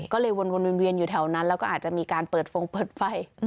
ก็เลยวนเวียนอยู่แถวนั้นแล้วก็อาจจะมีการเปิดฟงเปิดไฟ